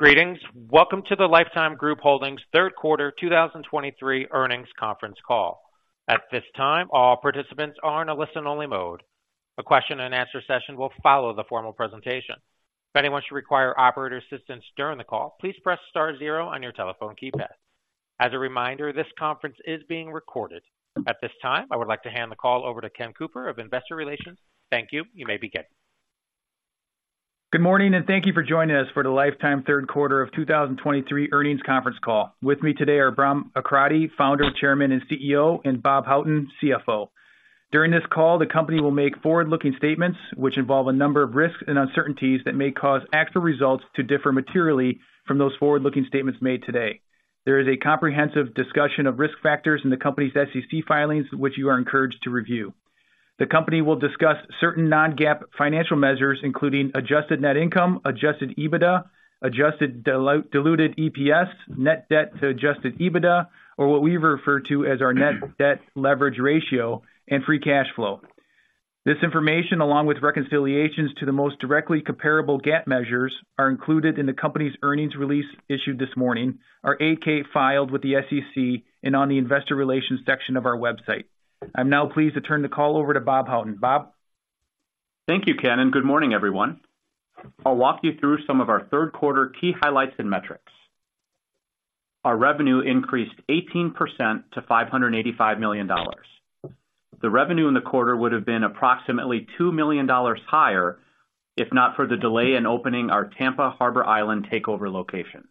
Greetings! Welcome to the Life Time Group Holdings Third Quarter 2023 earnings conference call. At this time, all participants are in a listen-only mode. A question-and-answer session will follow the formal presentation. If anyone should require operator assistance during the call, please press star zero on your telephone keypad. As a reminder, this conference is being recorded. At this time, I would like to hand the call over to Ken Cooper of Investor Relations. Thank you. You may begin. Good morning, and thank you for joining us for the Life Time Third Quarter of 2023 earnings conference call. With me today are Bahram Akradi, founder, chairman, and CEO, and Bob Houghton, CFO. During this call, the company will make forward-looking statements, which involve a number of risks and uncertainties that may cause actual results to differ materially from those forward-looking statements made today. There is a comprehensive discussion of risk factors in the company's SEC filings, which you are encouraged to review. The company will discuss certain non-GAAP financial measures, including Adjusted Net Income, Adjusted EBITDA, Adjusted Diluted EPS, net debt to Adjusted EBITDA, or what we refer to as our Net Debt Leverage Ratio and Free Cash Flow. This information, along with reconciliations to the most directly comparable GAAP measures, are included in the company's earnings release issued this morning, our 8-K filed with the SEC, and on the investor relations section of our website. I'm now pleased to turn the call over to Bob Houghton. Bob? Thank you, Ken, and good morning, everyone. I'll walk you through some of our third quarter key highlights and metrics. Our revenue increased 18% to $585 million. The revenue in the quarter would have been approximately $2 million higher, if not for the delay in opening our Tampa Harbor Island takeover location.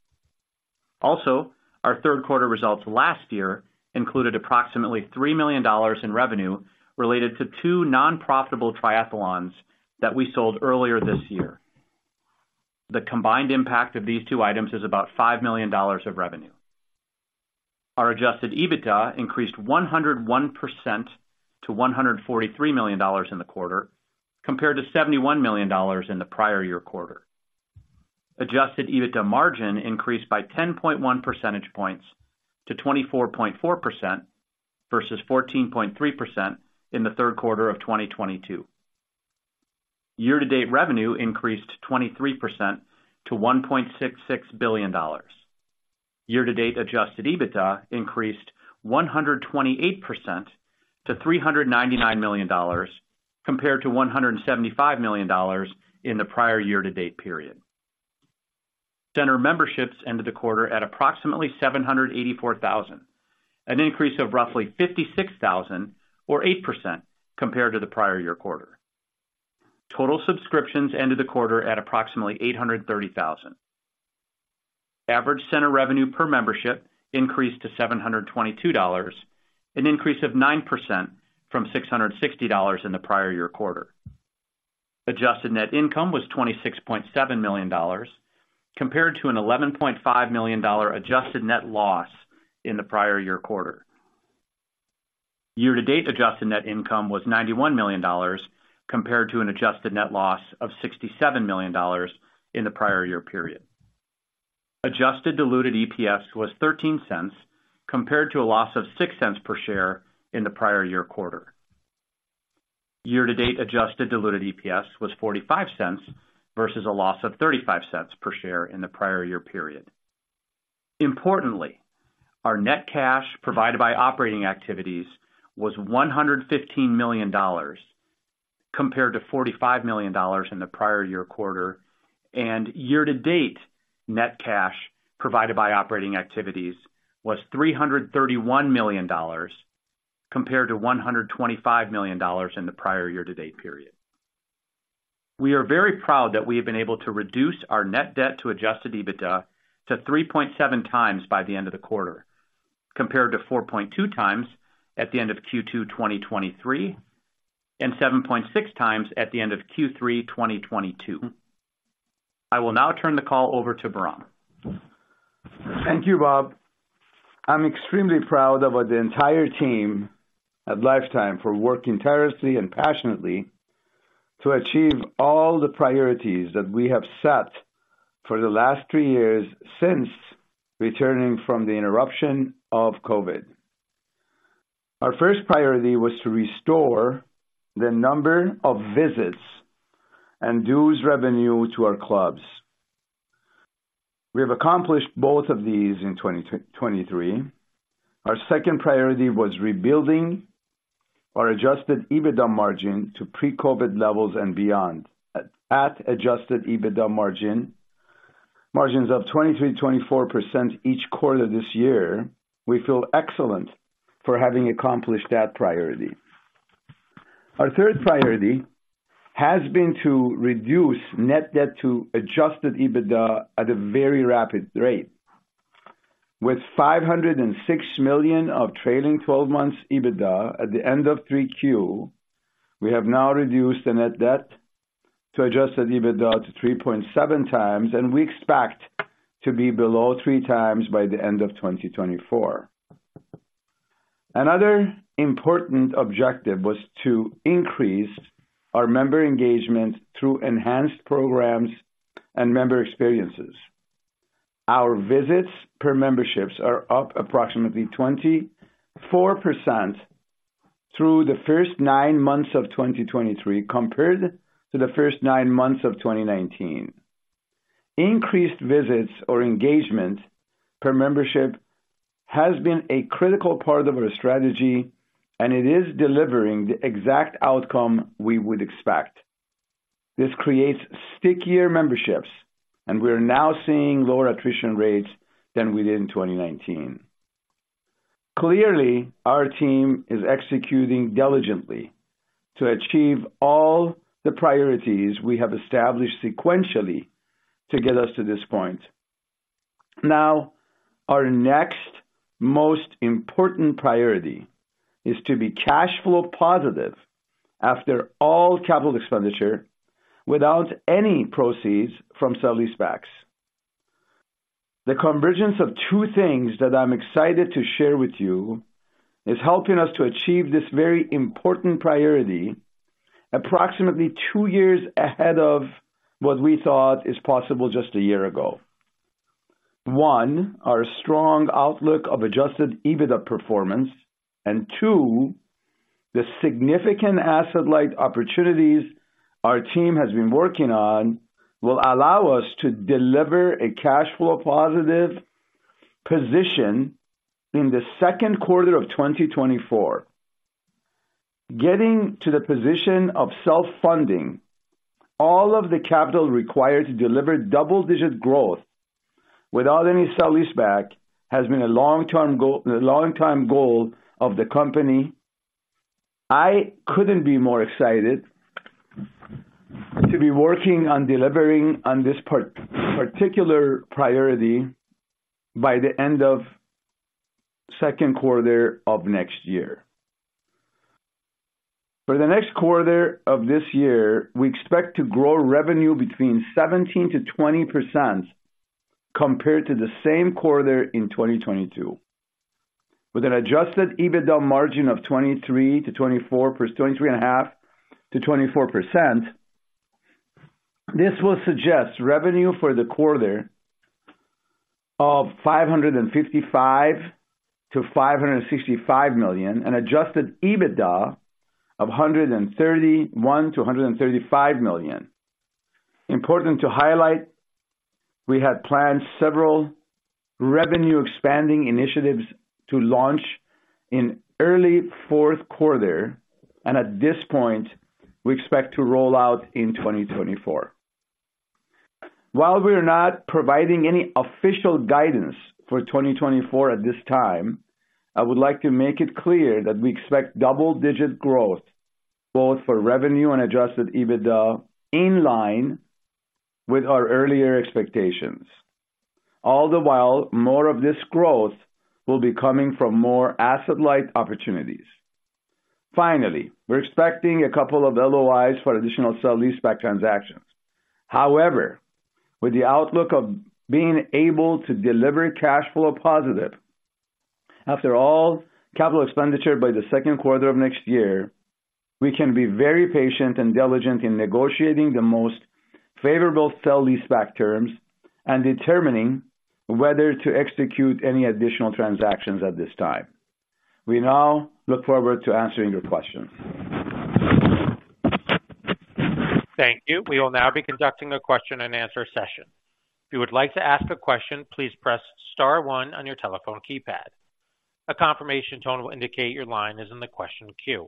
Also, our third quarter results last year included approximately $3 million in revenue related to two non-profitable triathlons that we sold earlier this year. The combined impact of these two items is about $5 million of revenue. Our Adjusted EBITDA increased 101% to $143 million in the quarter, compared to $71 million in the prior year quarter. Adjusted EBITDA margin increased by 10.1 percentage points to 24.4% versus 14.3% in the third quarter of 2022. Year-to-date revenue increased 23% to $1.66 billion. Year-to-date adjusted EBITDA increased 128% to $399 million, compared to $175 million in the prior year-to-date period. Center memberships ended the quarter at approximately 784,000, an increase of roughly 56,000 or 8% compared to the prior year quarter. Total subscriptions ended the quarter at approximately 830,000. Average center revenue per membership increased to $722, an increase of 9% from $660 in the prior year quarter. Adjusted net income was $26.7 million, compared to an $11.5 million adjusted net loss in the prior year quarter. Year-to-date adjusted net income was $91 million, compared to an adjusted net loss of $67 million in the prior year period. Adjusted diluted EPS was $0.13, compared to a loss of $0.06 per share in the prior year quarter. Year-to-date adjusted diluted EPS was $0.45 versus a loss of $0.35 per share in the prior year period. Importantly, our net cash provided by operating activities was $115 million, compared to $45 million in the prior year quarter, and year-to-date net cash provided by operating activities was $331 million, compared to $125 million in the prior year-to-date period. We are very proud that we have been able to reduce our net debt to Adjusted EBITDA to 3.7x by the end of the quarter, compared to 4.2x at the end of Q2, 2023, and 7.6x at the end of Q3, 2022. I will now turn the call over to Bahram. Thank you, Bob. I'm extremely proud of the entire team at Life Time for working tirelessly and passionately to achieve all the priorities that we have set for the last three years since returning from the interruption of COVID. Our first priority was to restore the number of visits and dues revenue to our clubs. We have accomplished both of these in 2023. Our second priority was rebuilding our Adjusted EBITDA margin to pre-COVID levels and beyond. At Adjusted EBITDA margin, margins of 20%-24% each quarter this year, we feel excellent for having accomplished that priority. Our third priority has been to reduce net debt to Adjusted EBITDA at a very rapid rate. With $506 million of trailing twelve months EBITDA at the end of 3Q, we have now reduced the net debt to Adjusted EBITDA to 3.7x, and we expect to be below 3x by the end of 2024. Another important objective was to increase our member engagement through enhanced programs and member experiences. Our visits per memberships are up approximately 24% through the first nine months of 2023, compared to the first nine months of 2019. Increased visits or engagement per membership has been a critical part of our strategy, and it is delivering the exact outcome we would expect. This creates stickier memberships, and we are now seeing lower attrition rates than we did in 2019. Clearly, our team is executing diligently to achieve all the priorities we have established sequentially to get us to this point. Now, our next most important priority is to be cash flow positive after all capital expenditure, without any proceeds from sale-leasebacks. The convergence of two things that I'm excited to share with you is helping us to achieve this very important priority, approximately two years ahead of what we thought is possible just a year ago. One, our strong outlook of Adjusted EBITDA performance, and two, the significant asset-light opportunities our team has been working on will allow us to deliver a cash flow positive position in the second quarter of 2024. Getting to the position of self-funding, all of the capital required to deliver double-digit growth without any sale-leaseback, has been a long-term goal, a long-time goal of the company. I couldn't be more excited to be working on delivering on this particular priority by the end of second quarter of next year. For the next quarter of this year, we expect to grow revenue between 17%-20% compared to the same quarter in 2022, with an Adjusted EBITDA margin of 23%-24%, 23.5%-24%. This will suggest revenue for the quarter of $555 million-$565 million, and Adjusted EBITDA of $131 million-$135 million. Important to highlight, we had planned several revenue-expanding initiatives to launch in early fourth quarter, and at this point, we expect to roll out in 2024. While we are not providing any official guidance for 2024 at this time, I would like to make it clear that we expect double-digit growth, both for revenue and Adjusted EBITDA, in line with our earlier expectations. All the while, more of this growth will be coming from more asset-light opportunities. Finally, we're expecting a couple of LOIs for additional sale-leaseback transactions. However, with the outlook of being able to deliver cash flow positive after all capital expenditure by the second quarter of next year, we can be very patient and diligent in negotiating the most favorable sale-leaseback terms and determining whether to execute any additional transactions at this time. We now look forward to answering your questions. Thank you. We will now be conducting a question-and-answer session. If you would like to ask a question, please press star one on your telephone keypad. A confirmation tone will indicate your line is in the question queue.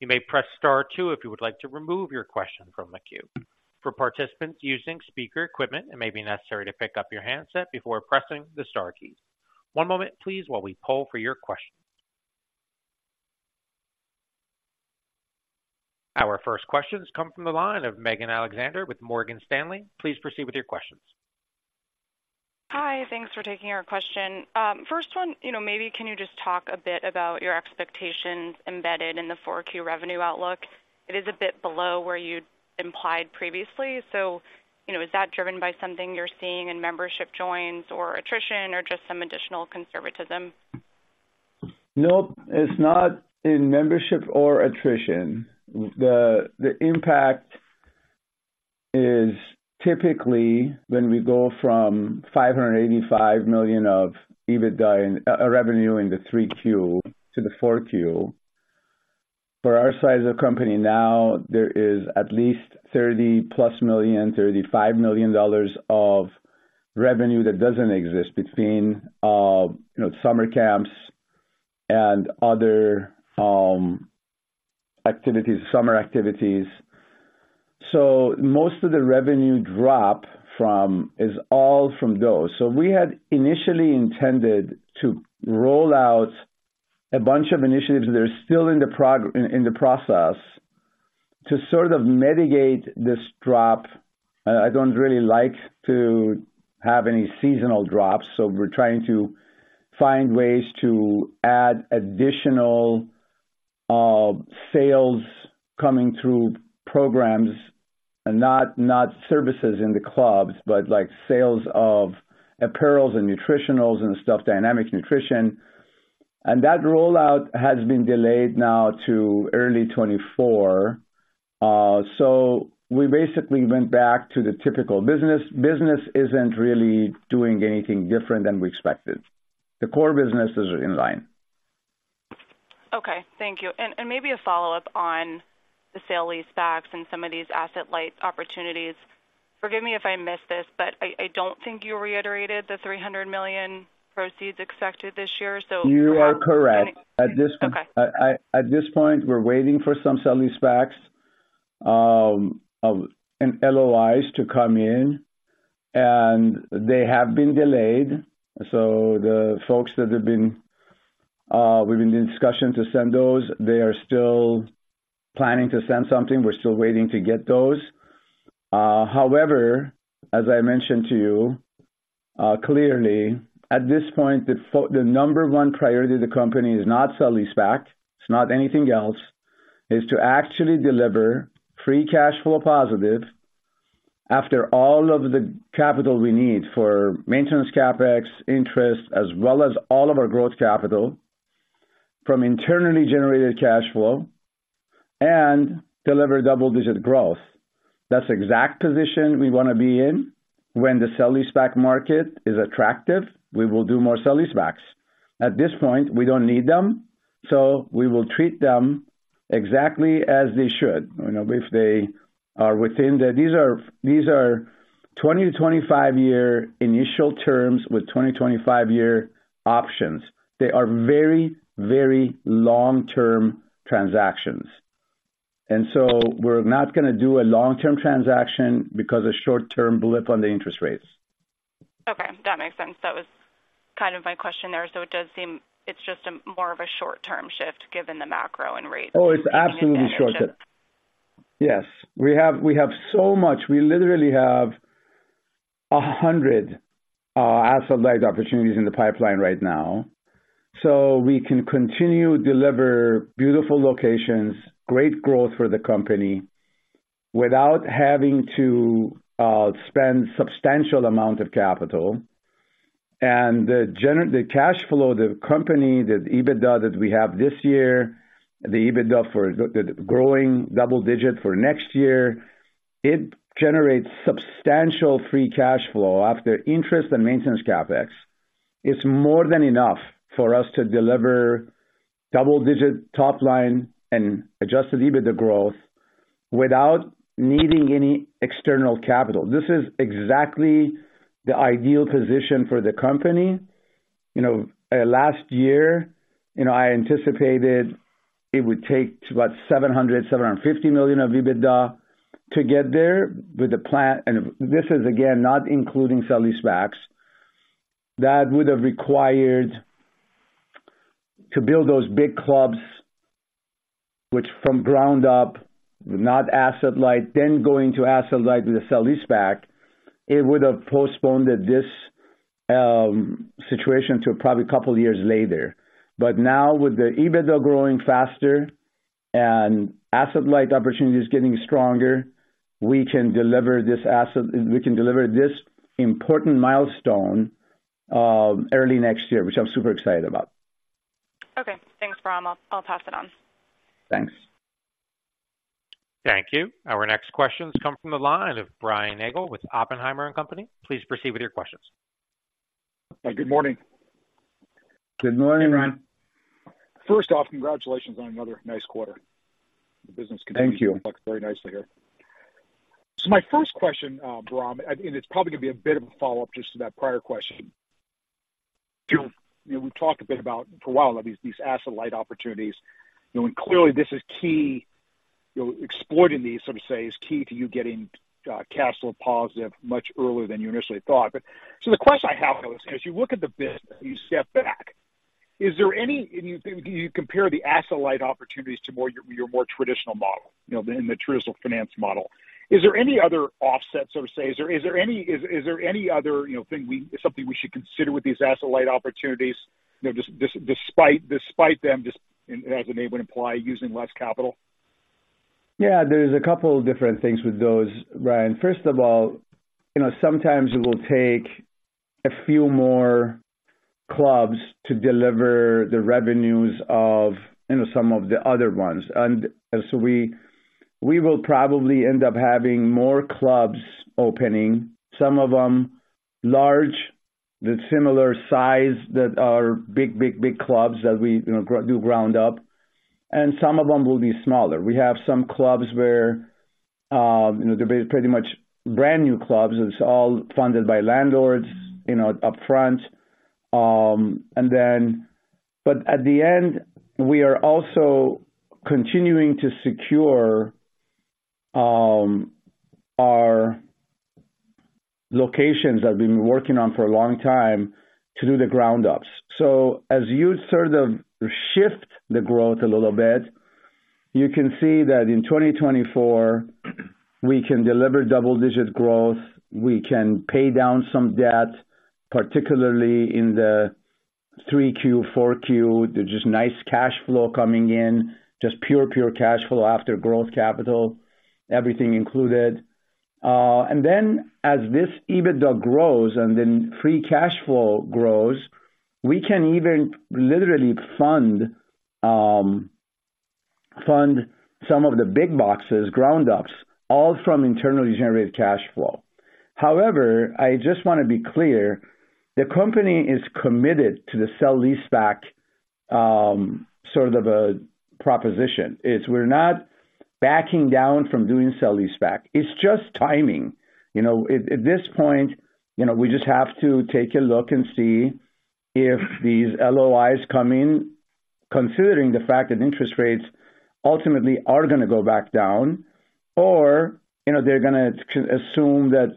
You may press star two if you would like to remove your question from the queue. For participants using speaker equipment, it may be necessary to pick up your handset before pressing the star keys. One moment, please, while we poll for your questions. Our first questions come from the line of Megan Alexander with Morgan Stanley. Please proceed with your questions. Hi, thanks for taking our question. First one, you know, maybe can you just talk a bit about your expectations embedded in the 4Q revenue outlook? It is a bit below where you'd implied previously, so, you know, is that driven by something you're seeing in membership joins or attrition or just some additional conservatism? Nope, it's not in membership or attrition. The impact is typically when we go from $585 million of EBITDA in revenue in the 3Q to the 4Q. For our size of company now, there is at least $30+ million, $35 million of revenue that doesn't exist between, you know, summer camps and other activities, summer activities. So most of the revenue drop from is all from those. So we had initially intended to roll out a bunch of initiatives that are still in the process, to sort of mitigate this drop. I don't really like to have any seasonal drops, so we're trying to find ways to add additional sales coming through programs and not services in the clubs, but like, sales of apparels and nutritionals and stuff, Dynamic Nutrition. That rollout has been delayed now to early 2024. We basically went back to the typical business. Business isn't really doing anything different than we expected. The core business is in line. Okay, thank you. And maybe a follow-up on the sale-leasebacks and some of these asset-light opportunities. Forgive me if I missed this, but I don't think you reiterated the $300 million proceeds expected this year, so- You are correct. Okay. At this point, we're waiting for some sale-leasebacks, of and LOIs to come in, and they have been delayed. The folks that have been, we've been in discussion to send those, they are still planning to send something. We're still waiting to get those. However, as I mentioned to you, clearly, at this point, the number one priority of the company is not sale-leaseback, it's not anything else. It's to actually deliver free cash flow positive after all of the capital we need for maintenance, CapEx, interest, as well as all of our growth capital from internally generated cash flow and deliver double-digit growth. That's the exact position we wanna be in. When the sale-leaseback market is attractive, we will do more sale-leasebacks. At this point, we don't need them, so we will treat them exactly as they should. You know, if they are within the... These are, these are 20 year-25 year initial terms with 20 year-25 year options. They are very, very long-term transactions. And so we're not gonna do a long-term transaction because a short-term blip on the interest rates. Okay, that makes sense. That was kind of my question there. So it does seem it's just a more of a short-term shift given the macro and rates. Oh, it's absolutely short-term. Yes, we have, we have so much. We literally have 100 asset-light opportunities in the pipeline right now. So we can continue to deliver beautiful locations, great growth for the company, without having to spend substantial amount of capital. And the cash flow of the company, the EBITDA that we have this year, the EBITDA for the, the growing double-digit for next year, it generates substantial free cash flow after interest and maintenance CapEx. It's more than enough for us to deliver double-digit top line and adjusted EBITDA growth without needing any external capital. This is exactly the ideal position for the company. You know, last year, you know, I anticipated it would take about 700 million-750 million of EBITDA to get there with the plan. And this is, again, not including sale-leasebacks. That would have required to build those big clubs, which from ground up, not asset-light, then going to asset-light with a sale-leaseback, it would have postponed this situation to probably a couple years later. But now with the EBITDA growing faster and asset-light opportunities getting stronger, we can deliver this important milestone early next year, which I'm super excited about. Okay, thanks, Bahram. I'll pass it on. Thanks. Thank you. Our next questions come from the line of Brian Nagel with Oppenheimer and Company. Please proceed with your questions. Good morning. Good morning, Brian. First off, congratulations on another nice quarter. The business continues- Thank you. Looks very nicely here. So my first question, Bahram, and it's probably gonna be a bit of a follow-up just to that prior question. Sure. You know, we've talked a bit about for a while these asset-light opportunities, you know, and clearly this is key, you know, exploiting these, so to say, is key to you getting cash flow positive much earlier than you initially thought. But the question I have, though, is as you look at the business, you step back, is there any? If you compare the asset-light opportunities to your more traditional model, you know, in the traditional finance model, is there any other offset, so to say? Is there any other, you know, thing, something we should consider with these asset-light opportunities, you know, just despite them just as the name would imply, using less capital? Yeah, there's a couple of different things with those, Brian. First of all, you know, sometimes it will take a few more clubs to deliver the revenues of, you know, some of the other ones. And so we, we will probably end up having more clubs opening, some of them large, the similar size that are big, big, big clubs that we, you know, do ground up, and some of them will be smaller. We have some clubs where, you know, they're pretty much brand-new clubs, it's all funded by landlords, you know, upfront. And then, but at the end, we are also continuing to secure our locations that have been working on for a long time to do the ground ups. So as you sort of shift the growth a little bit, you can see that in 2024, we can deliver double-digit growth. We can pay down some debt, particularly in the 3Q, 4Q. There's just nice cash flow coming in, just pure, pure cash flow after growth capital, everything included... And then as this EBITDA grows and then free cash flow grows, we can even literally fund fund some of the big boxes, ground ups, all from internally generated cash flow. However, I just want to be clear, the company is committed to the sale-leaseback sort of a proposition. It's we're not backing down from doing sale-leaseback. It's just timing. You know, at this point, you know, we just have to take a look and see if these LOIs come in, considering the fact that interest rates ultimately are gonna go back down, or, you know, they're gonna assume that,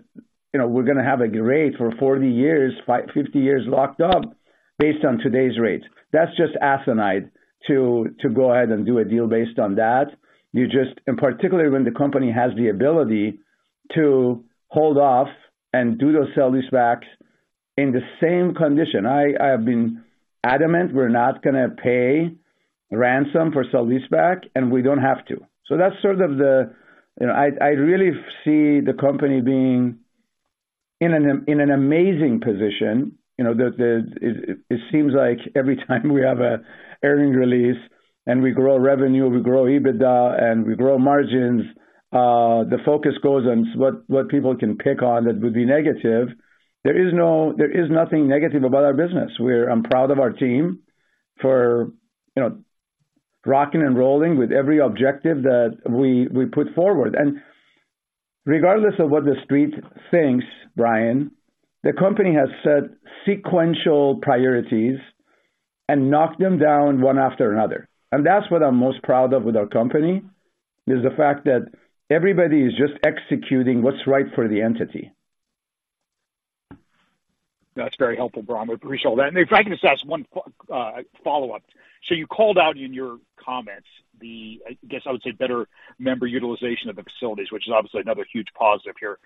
you know, we're gonna have a rate for 40 years, 50 years locked up based on today's rates. That's just asinine to go ahead and do a deal based on that. You just... And particularly when the company has the ability to hold off and do those sale-leasebacks in the same condition. I have been adamant we're not gonna pay ransom for sale-leaseback, and we don't have to. So that's sort of the... You know, I really see the company being in an amazing position. You know, the it seems like every time we have an earnings release and we grow revenue, we grow EBITDA, and we grow margins, the focus goes on what people can pick on that would be negative. There is nothing negative about our business. I'm proud of our team for, you know, rocking and rolling with every objective that we put forward. And regardless of what the street thinks, Brian, the company has set sequential priorities and knocked them down one after another. And that's what I'm most proud of with our company, is the fact that everybody is just executing what's right for the entity. That's very helpful, Bahram. Appreciate all that. And if I can just ask one follow-up. So you called out in your comments the, I guess, I would say, better member utilization of the facilities, which is obviously another huge positive here.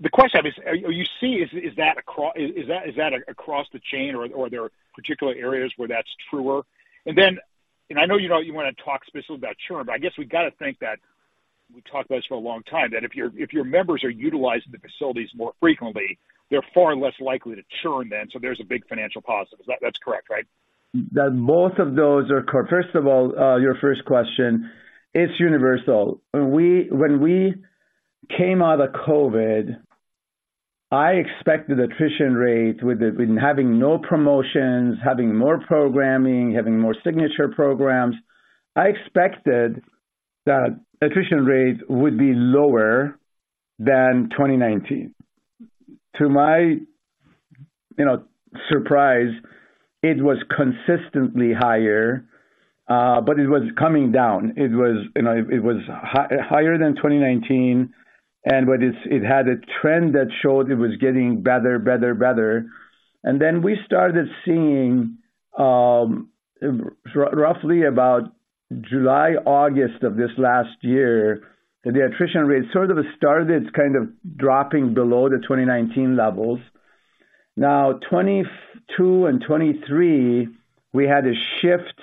The question I have is, are you seeing that across the chain, or there are particular areas where that's truer? And then, and I know you don't want to talk specifically about churn, but I guess we've got to think that we talked about this for a long time, that if your members are utilizing the facilities more frequently, they're far less likely to churn then, so there's a big financial positive. That's correct, right? That both of those are. First of all, your first question, it's universal. When we, when we came out of COVID, I expected attrition rates with the, with having no promotions, having more programming, having more signature programs. I expected that attrition rates would be lower than 2019. To my, you know, surprise, it was consistently higher, but it was coming down. It was, you know, it was higher than 2019, and but it had a trend that showed it was getting better, better, better. And then we started seeing, roughly about July, August of this last year, that the attrition rate sort of started kind of dropping below the 2019 levels. Now, 2022 and 2023, we had a shift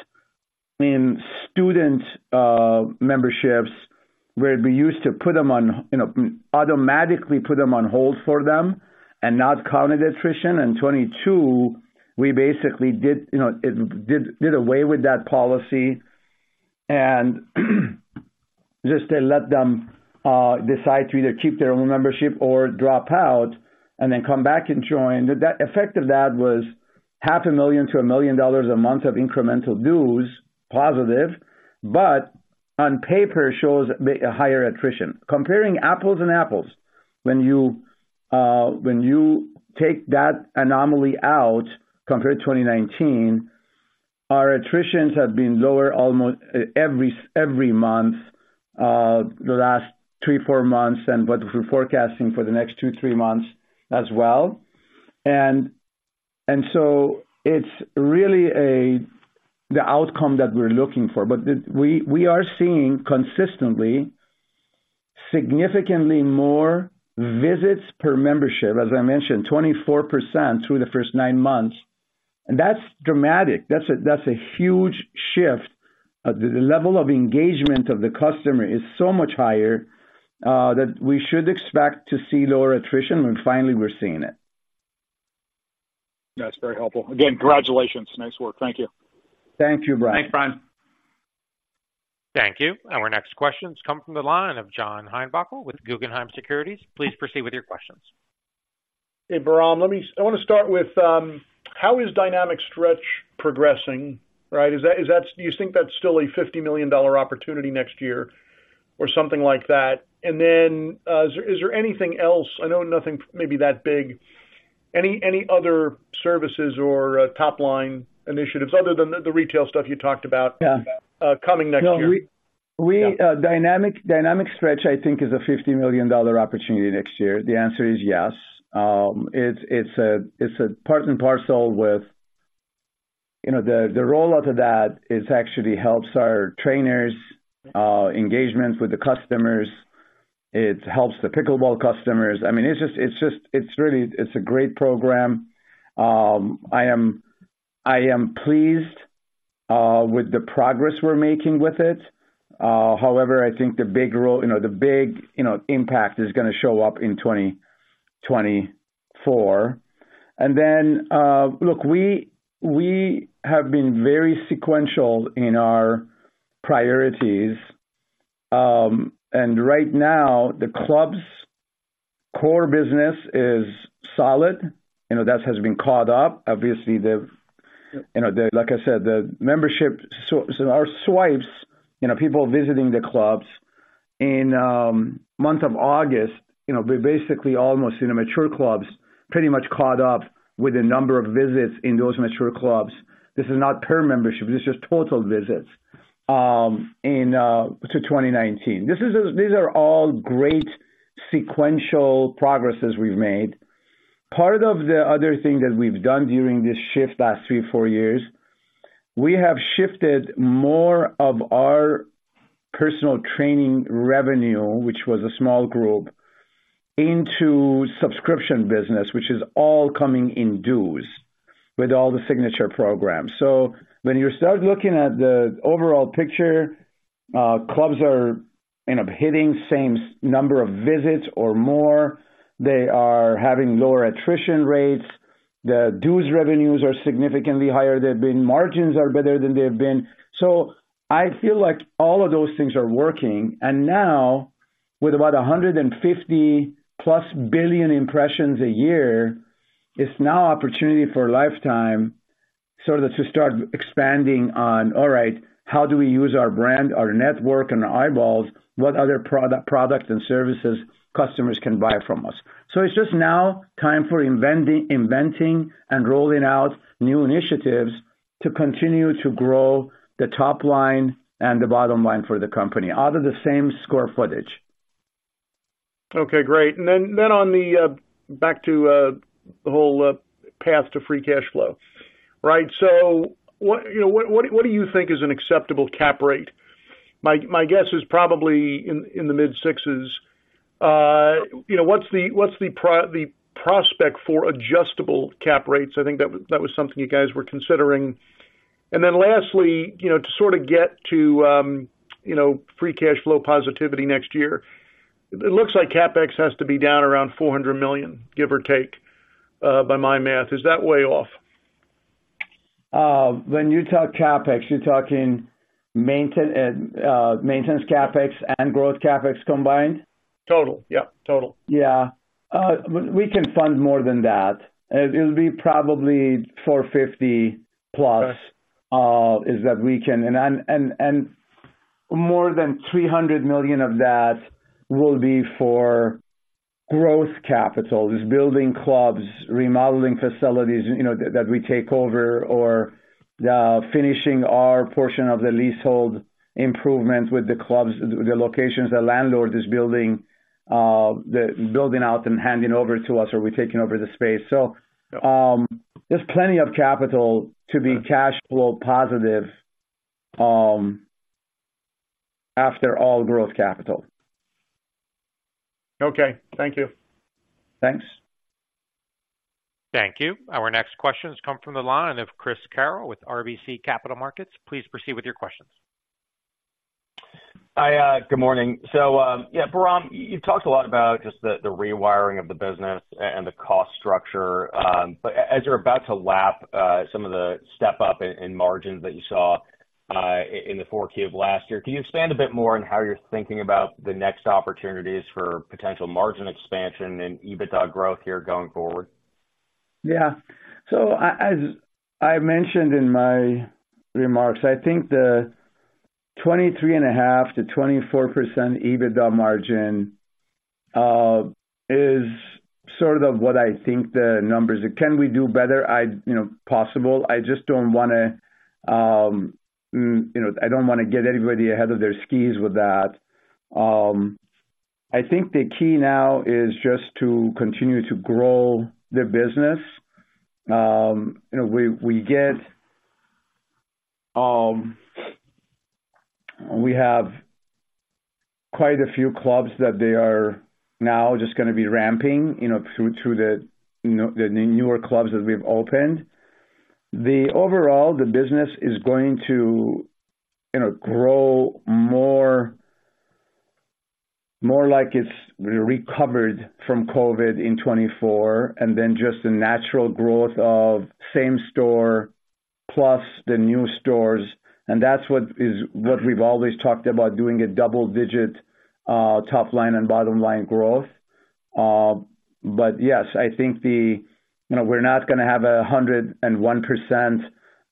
in student memberships, where we used to put them on, you know, automatically put them on hold for them and not count it as attrition. In 2022, we basically did, you know, it did away with that policy and just to let them decide to either keep their own membership or drop out and then come back and join. That effect of that was $500,000-$1 million a month of incremental dues, positive, but on paper shows the higher attrition. Comparing apples and apples, when you take that anomaly out, compared to 2019, our attritions have been lower almost every month the last three, four months, and what we're forecasting for the next two, three months as well. It's really the outcome that we're looking for. But we are seeing consistently, significantly more visits per membership, as I mentioned, 24% through the first nine months, and that's dramatic. That's a huge shift. The level of engagement of the customer is so much higher that we should expect to see lower attrition, and finally, we're seeing it. That's very helpful. Again, congratulations. Nice work. Thank you. Thank you, Brian. Thanks, Brian. Thank you. Our next question comes from the line of John Heinbockel with Guggenheim Securities. Please proceed with your questions. Hey, Bahram, let me—I want to start with how is Dynamic Stretch progressing, right? Is that... Do you think that's still a $50 million opportunity next year or something like that? And then, is there anything else, I know nothing maybe that big, any other services or top-line initiatives, other than the retail stuff you talked about- Yeah. coming next year? No, we- Yeah. Dynamic Stretch, I think, is a $50 million opportunity next year. The answer is yes. It's a part and parcel with... You know, the rollout of that, it actually helps our trainers engagements with the customers. It helps the pickleball customers. I mean, it's just, it's just, it's really, it's a great program. I am pleased with the progress we're making with it. However, I think the big rollout, you know, the big impact is gonna show up in 2024. And then, look, we have been very sequential in our priorities. And right now, the club's core business is solid, you know, that has been caught up. Obviously, you know, like I said, the membership, so our swipes, you know, people visiting the clubs in month of August, you know, we basically almost in the mature clubs, pretty much caught up with the number of visits in those mature clubs. This is not per membership, this is just total visits in to 2019. These are all great sequential progresses we've made. Part of the other thing that we've done during this shift last 3 years-years, we have shifted more of our personal training revenue, which was a small group, into subscription business, which is all coming in dues with all the signature programs. So when you start looking at the overall picture, clubs are end up hitting same number of visits or more. They are having lower attrition rates. The dues revenues are significantly higher than their big margins are better than they've been. So I feel like all of those things are working. And now, with about 150+ billion impressions a year, it's now opportunity for Life Time, sort of to start expanding on, all right, how do we use our brand, our network, and eyeballs, what other products and services customers can buy from us? So it's just now time for inventing and rolling out new initiatives to continue to grow the top line and the bottom line for the company out of the same square footage. Okay, great. And then back to the whole path to free cash flow. Right. So what, you know, what do you think is an acceptable cap rate? My guess is probably in the mid-6s. You know, what's the prospect for adjustable cap rates? I think that was something you guys were considering. And then lastly, you know, to sort of get to, you know, free cash flow positivity next year, it looks like CapEx has to be down around $400 million, give or take, by my math. Is that way off? When you talk CapEx, you're talking maintenance CapEx and growth CapEx combined? Total. Yep, total. Yeah. We can fund more than that. It'll be probably $450+ million, that we can. And more than $300 million of that will be for growth capital, building clubs, remodeling facilities, you know, that we take over, or finishing our portion of the leasehold improvements with the clubs, the locations the landlord is building, the building out and handing over to us, or we're taking over the space. So- Yeah. There's plenty of capital to be cash flow positive, after all growth capital. Okay, thank you. Thanks. Thank you. Our next question has come from the line of Chris Carroll with RBC Capital Markets. Please proceed with your questions. Hi, good morning. So, yeah, Bahram, you've talked a lot about just the rewiring of the business and the cost structure. But as you're about to lap some of the step-up in margins that you saw in the Q4 of last year, can you expand a bit more on how you're thinking about the next opportunities for potential margin expansion and EBITDA growth here going forward? Yeah. So as I mentioned in my remarks, I think the 23.5%-24% EBITDA margin is sort of what I think the numbers... Can we do better? I, you know, possible. I just don't wanna, you know, I don't wanna get anybody ahead of their skis with that. I think the key now is just to continue to grow the business. You know, we, we get-- We have quite a few clubs that they are now just gonna be ramping, you know, through, through the, you know, the newer clubs that we've opened. The overall, the business is going to, you know, grow more like it's recovered from COVID in 2024, and then just the natural growth of same store plus the new stores, and that's what we've always talked about, doing a double digit top line and bottom line growth. But yes, I think... You know, we're not gonna have 101%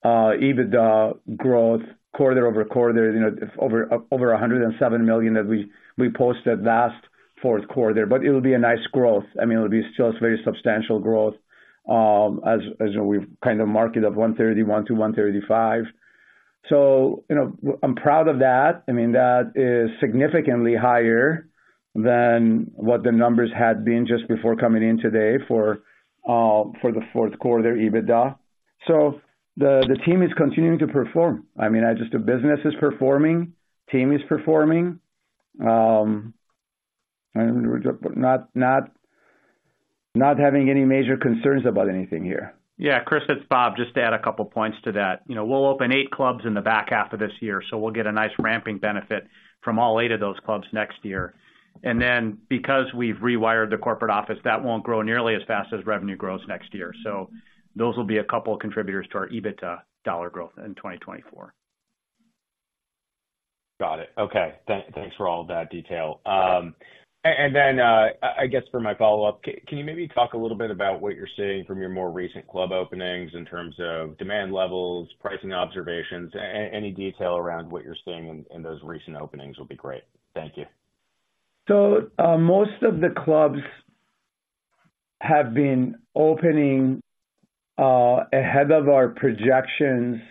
EBITDA growth quarter-over-quarter, you know, over $107 million that we posted last fourth quarter. But it'll be a nice growth. I mean, it'll be still a very substantial growth, as we've kind of marked it up to $131 million-$135 million. So, you know, I'm proud of that. I mean, that is significantly higher than what the numbers had been just before coming in today for the fourth quarter EBITDA. So the team is continuing to perform. I mean, the business is performing, team is performing, and not having any major concerns about anything here. Yeah, Chris, it's Bob. Just to add a couple points to that. You know, we'll open eight clubs in the back half of this year, so we'll get a nice ramping benefit from all eight of those clubs next year. And then, because we've rewired the corporate office, that won't grow nearly as fast as revenue grows next year. So those will be a couple of contributors to our EBITDA dollar growth in 2024. Got it. Okay. Thanks for all that detail. And then, I guess for my follow-up, can you maybe talk a little bit about what you're seeing from your more recent club openings in terms of demand levels, pricing observations, any detail around what you're seeing in those recent openings will be great. Thank you. Most of the clubs have been opening ahead of our projections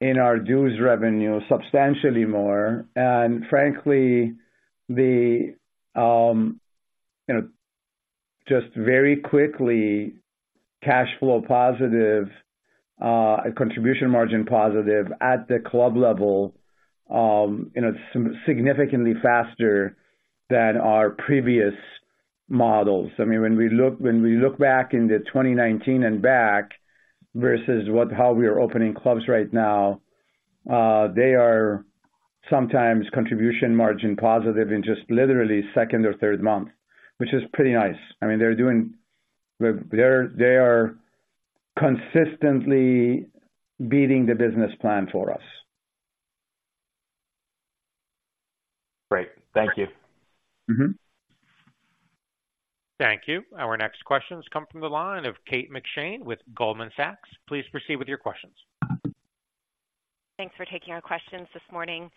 in our dues revenue, substantially more. Frankly, the you know, just very quickly, cash flow positive, contribution margin positive at the club level, you know, some significantly faster than our previous models. I mean, when we look, when we look back into 2019 and back versus what-- how we are opening clubs right now, they are sometimes contribution margin positive in just literally second or third month, which is pretty nice. I mean, they're doing... They're, they are consistently beating the business plan for us. Great. Thank you. Mm-hmm. Thank you. Our next questions come from the line of Kate McShane with Goldman Sachs. Please proceed with your questions. Thanks for taking our questions this morning.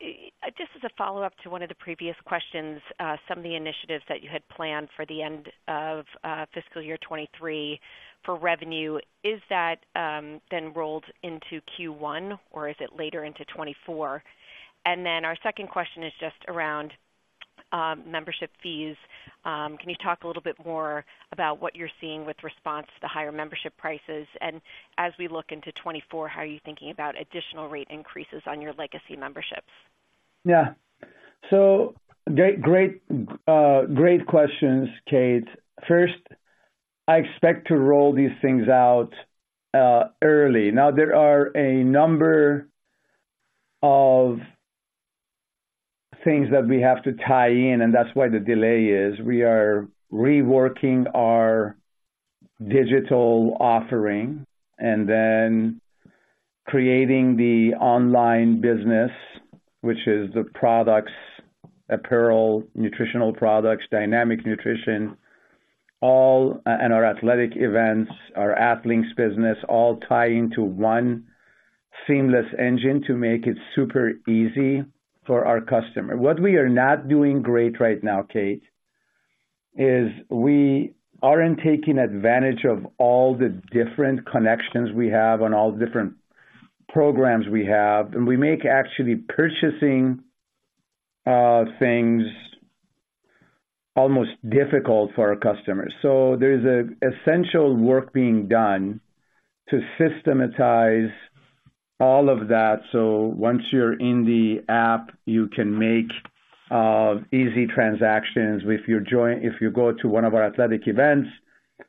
Just as a follow-up to one of the previous questions, some of the initiatives that you had planned for the end of fiscal year 2023 for revenue, is that then rolled into Q1, or is it later into 2024? And then our second question is just around membership fees. Can you talk a little bit more about what you're seeing with response to higher membership prices? And as we look into 2024, how are you thinking about additional rate increases on your legacy memberships? Yeah. So great, great, great questions, Kate. First, I expect to roll these things out early. Now, there are a number of things that we have to tie in, and that's why the delay is. We are reworking our digital offering and then creating the online business, which is the products, apparel, nutritional products, Dynamic Nutrition, all and our athletic events, our Athlinks business, all tie into one seamless engine to make it super easy for our customer. What we are not doing great right now, Kate, is we aren't taking advantage of all the different connections we have on all the different programs we have, and we make actually purchasing things almost difficult for our customers. So there's an essential work being done to systematize all of that. So once you're in the app, you can make easy transactions. If you go to one of our athletic events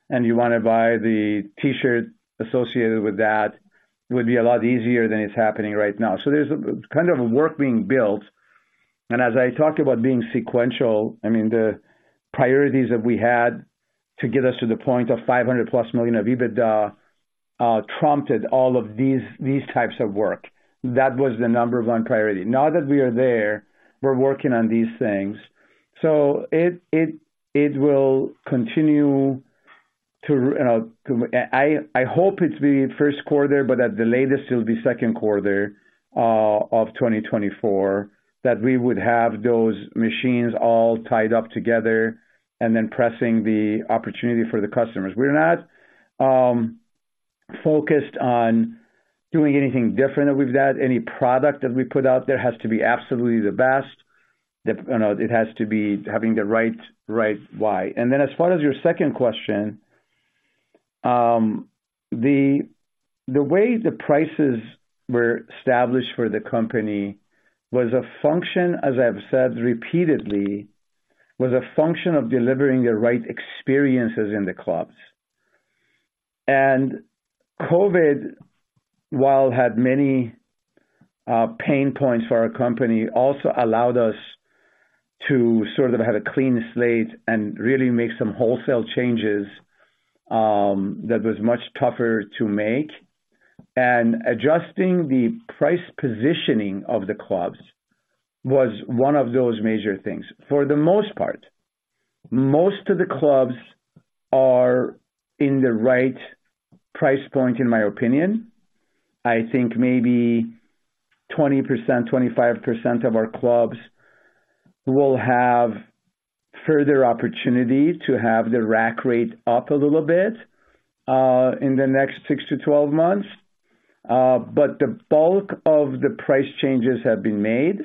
and you want to buy the t-shirt associated with that, it would be a lot easier than it's happening right now. So there's a, kind of, a work being built, and as I talked about being sequential, I mean, the priorities that we had to get us to the point of 500+ million of EBITDA, trumped all of these, these types of work. That was the number one priority. Now that we are there, we're working on these things. So it, it, it will continue to, you know, to... I, I hope it's the first quarter, but at the latest, it'll be second quarter, of 2024, that we would have those machines all tied up together and then pressing the opportunity for the customers. We're not focused on doing anything different than we've done. Any product that we put out there has to be absolutely the best. You know, it has to be having the right, right why. And then as far as your second question, the way the prices were established for the company was a function, as I've said repeatedly, was a function of delivering the right experiences in the clubs. And COVID, while had many pain points for our company, also allowed us to sort of have a clean slate and really make some wholesale changes that was much tougher to make, and adjusting the price positioning of the clubs was one of those major things. For the most part, most of the clubs are in the right price point, in my opinion. I think maybe 20%, 25% of our clubs will have further opportunity to have the rack rate up a little bit, in the next 6 months-12 months. But the bulk of the price changes have been made,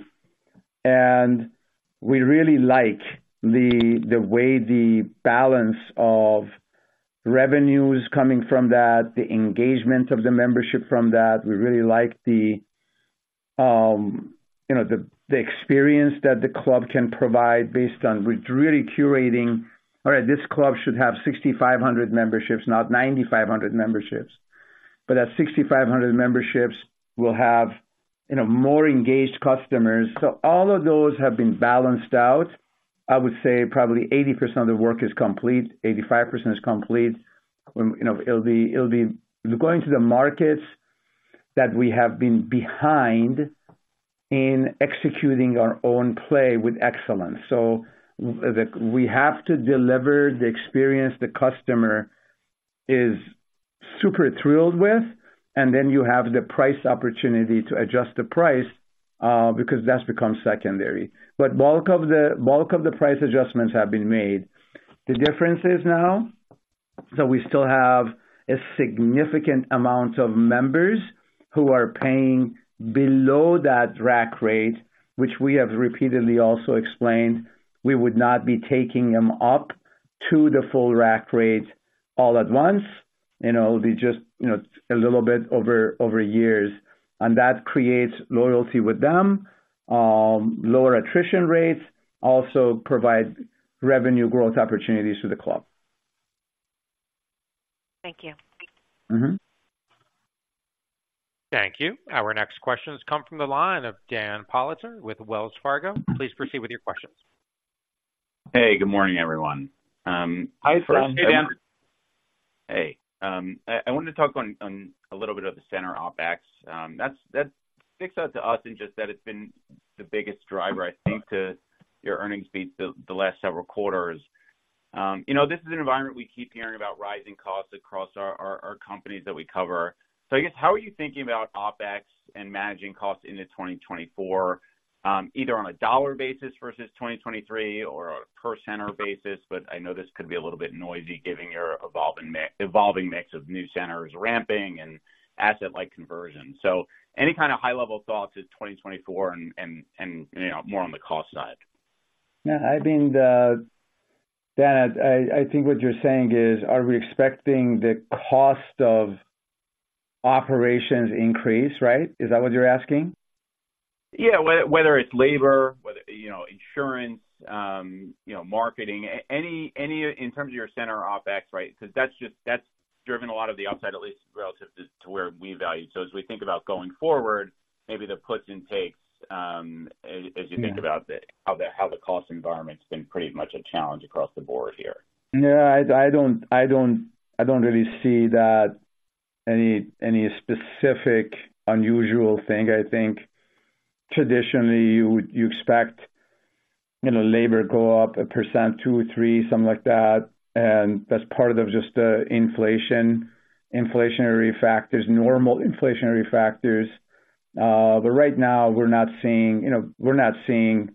and we really like the way the balance of revenues coming from that, the engagement of the membership from that. We really like you know, the experience that the club can provide based on we're really curating, all right, this club should have 6,500 memberships, not 9,500 memberships. But at 6,500 memberships, we'll have, you know, more engaged customers. So all of those have been balanced out. I would say probably 80% of the work is complete. 85% is complete. You know, it'll be going to the markets that we have been behind in executing our own play with excellence. So, we have to deliver the experience the customer is super thrilled with, and then you have the price opportunity to adjust the price, because that's become secondary. But the bulk of the price adjustments have been made. The difference is now, so we still have a significant amount of members who are paying below that rack rate, which we have repeatedly also explained we would not be taking them up to the full rack rate all at once. You know, it'll be just, you know, a little bit over years, and that creates loyalty with them, lower attrition rates, also provides revenue growth opportunities to the club. Thank you. Mm-hmm. Thank you. Our next question has come from the line of Dan Politzer with Wells Fargo. Please proceed with your questions. Hey, good morning, everyone. Hi, Dan. Hey, Dan. Hey, I wanted to talk on a little bit of the center OpEx. That sticks out to us and just that it's been the biggest driver, I think, to your earnings beat the last several quarters. You know, this is an environment we keep hearing about rising costs across our companies that we cover. So I guess, how are you thinking about OpEx and managing costs into 2024, either on a dollar basis versus 2023 or a per center basis, but I know this could be a little bit noisy given your evolving mix of new centers ramping and asset-light conversion. So any kind of high-level thoughts as 2024 and you know, more on the cost side? Yeah, I think the... Dan, I, I think what you're saying is, are we expecting the cost of operations increase, right? Is that what you're asking? Yeah. Whether it's labor, whether, you know, insurance, you know, marketing, any in terms of your center OpEx, right? Because that's just, that's driven a lot of the upside, at least relative to, to where we value. So as we think about going forward, maybe the puts and takes, as you think about- Yeah... how the cost environment's been pretty much a challenge across the board here. Yeah, I don't really see any specific unusual thing. I think traditionally you would you expect, you know, labor go up 1%, 2%, 3%, something like that, and that's part of just the inflation, inflationary factors, normal inflationary factors. But right now we're not seeing, you know, we're not seeing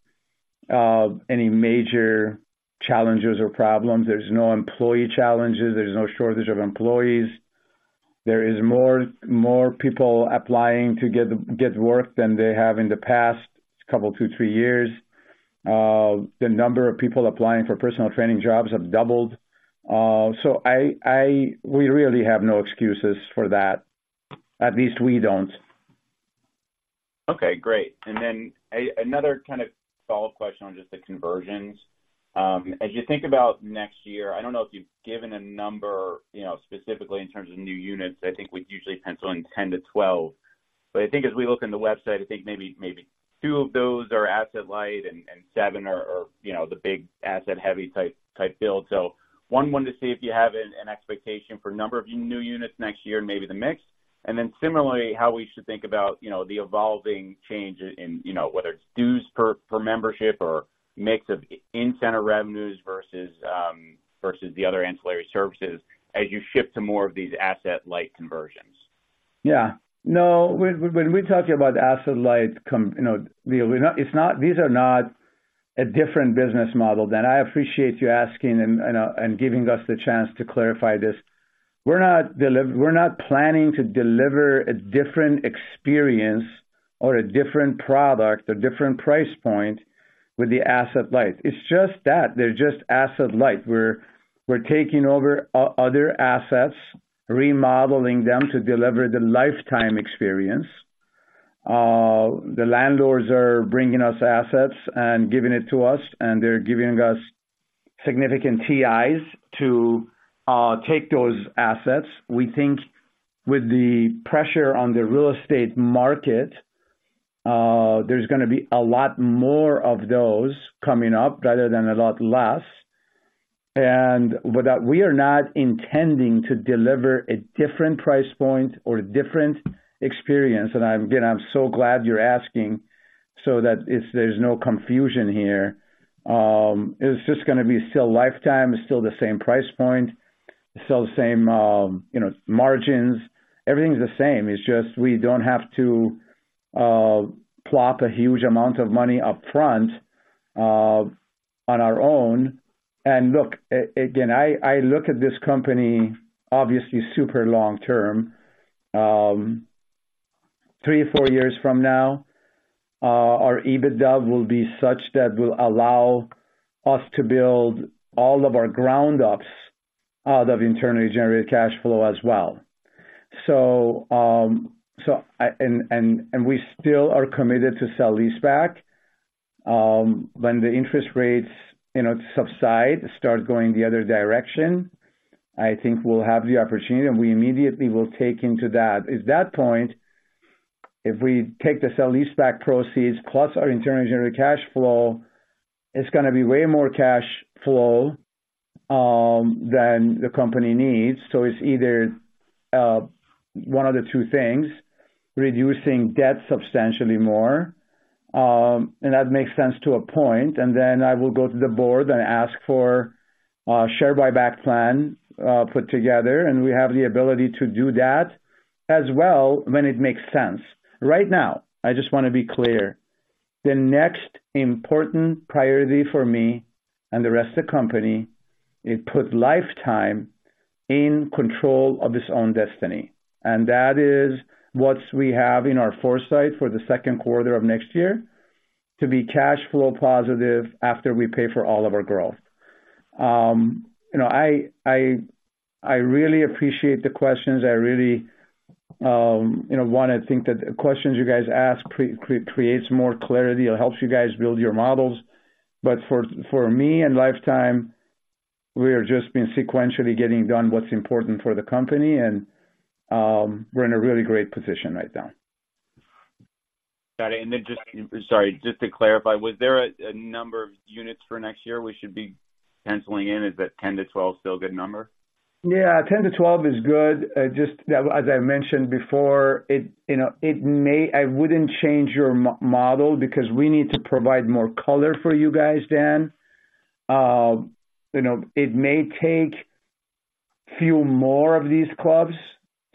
any major challenges or problems. There's no employee challenges. There's no shortage of employees. There is more people applying to get work than they have in the past couple, 2 years, 3 years. The number of people applying for personal training jobs have doubled. So we really have no excuses for that. At least we don't. Okay, great. And then another kind of follow-up question on just the conversions. As you think about next year, I don't know if you've given a number, you know, specifically in terms of new units. I think we'd usually pencil in 10-12. But I think as we look in the website, I think maybe two of those are asset light and seven are, you know, the big asset heavy type build. So, wanted to see if you have an expectation for number of new units next year and maybe the mix. And then similarly, how we should think about, you know, the evolving change in, you know, whether it's dues per membership or mix of in-center revenues versus the other ancillary services as you shift to more of these asset light conversions. Yeah. No, when, when we talk about asset-light, you know, we're not, it's not, these are not a different business model. Dan, I appreciate you asking and, and, and giving us the chance to clarify this. We're not planning to deliver a different experience or a different product or different price point with the asset-light. It's just that, they're just asset-light. We're taking over other assets, remodeling them to deliver the life time experience. The landlords are bringing us assets and giving it to us, and they're giving us significant TIs to take those assets. We think with the pressure on the real estate market, there's gonna be a lot more of those coming up rather than a lot less. With that, we are not intending to deliver a different price point or a different experience. I'm, again, I'm so glad you're asking so that it's—there's no confusion here. It's just gonna be still Life Time, it's still the same price point, still the same, you know, margins. Everything's the same. It's just we don't have to plop a huge amount of money upfront on our own. And look, again, I look at this company, obviously super long-term. Three, four years from now, our EBITDA will be such that will allow us to build all of our ground-ups out of internally generated cash flow as well. So, so I—and, and, and we still are committed to sale-leaseback. When the interest rates, you know, subside, start going the other direction, I think we'll have the opportunity, and we immediately will take into that. At that point, if we take the sale-leaseback proceeds plus our internal generated cash flow, it's gonna be way more cash flow than the company needs. So it's either one of the two things: reducing debt substantially more, and that makes sense to a point, and then I will go to the board and ask for a share buyback plan put together, and we have the ability to do that as well, when it makes sense. Right now, I just want to be clear, the next important priority for me and the rest of the company is put Life Time in control of its own destiny, and that is what we have in our foresight for the second quarter of next year, to be cash flow positive after we pay for all of our growth. You know, I really appreciate the questions. I really, you know, want to think that the questions you guys ask creates more clarity. It helps you guys build your models. But for me and Life Time, we are just being sequentially getting done what's important for the company, and we're in a really great position right now. Got it. And then just... Sorry, just to clarify, was there a number of units for next year we should be penciling in? Is that 10-12 still a good number? Yeah, 10-12 is good. Just as I mentioned before, it, you know, it may. I wouldn't change your model because we need to provide more color for you guys, Dan. You know, it may take few more of these clubs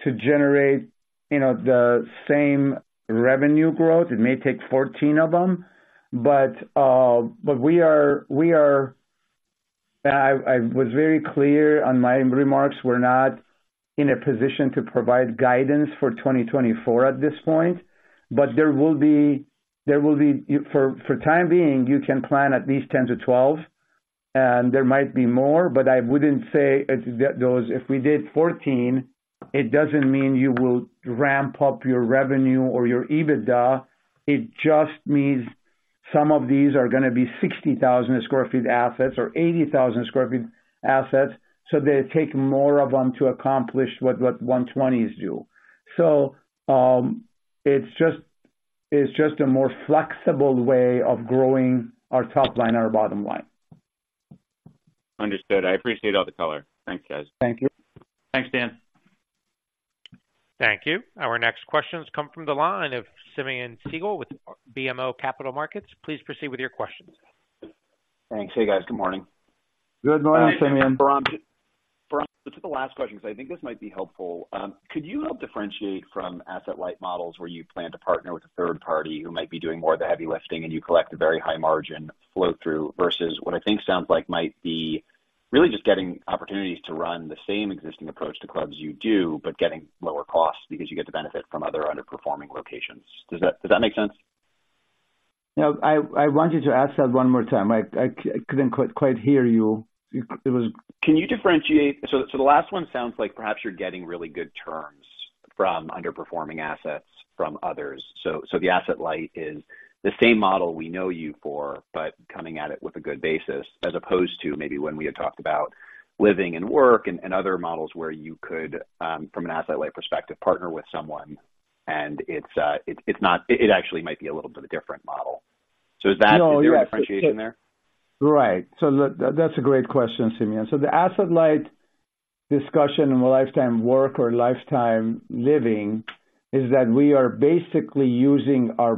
to generate, you know, the same revenue growth. It may take 14 of them, but we are. I was very clear on my remarks, we're not in a position to provide guidance for 2024 at this point, but there will be. For the time being, you can plan at least 10-12, and there might be more, but I wouldn't say that those, if we did 14, it doesn't mean you will ramp up your revenue or your EBITDA. It just means some of these are gonna be 60,000 sq ft assets or 80,000 sq ft assets, so they take more of them to accomplish what 120s do. So, it's just, it's just a more flexible way of growing our top line and our bottom line. Understood. I appreciate all the color. Thanks, guys. Thank you. Thanks, Dan. Thank you. Our next questions come from the line of Simeon Siegel with BMO Capital Markets. Please proceed with your questions. Thanks. Hey, guys. Good morning. Good morning, Simeon. Bahram, to the last question, because I think this might be helpful. Could you help differentiate from asset-light models where you plan to partner with a third party who might be doing more of the heavy lifting and you collect a very high margin flow through, versus what I think sounds like might be really just getting opportunities to run the same existing approach to clubs you do, but getting lower costs because you get the benefit from other underperforming locations? Does that make sense? No, I want you to ask that one more time. I couldn't quite hear you. It was- Can you differentiate... So, so the last one sounds like perhaps you're getting really good terms from underperforming assets from others. So, so the asset-light is the same model we know you for, but coming at it with a good basis, as opposed to maybe when we had talked about living and work and, and other models where you could, from an asset-light perspective, partner with someone, and it's, it's, it's not-- it actually might be a little bit of a different model. So is that- No. Is there a differentiation there? Right. So that, that's a great question, Simeon. So the asset-light discussion in the Life Time Work or Life Time Living, is that we are basically using our